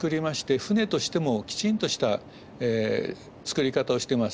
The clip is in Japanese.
船としてもきちんとした造り方をしてます。